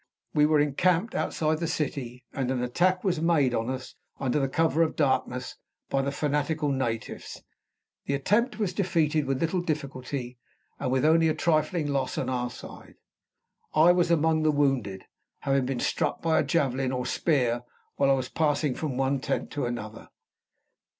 We were encamped outside the city; and an attack was made on us, under cover of darkness, by the fanatical natives. The attempt was defeated with little difficulty, and with only a trifling loss on our side. I was among the wounded, having been struck by a javelin, or spear, while I was passing from one tent to another.